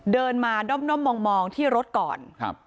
เดินมาด้อมมองที่รถก่อนครับ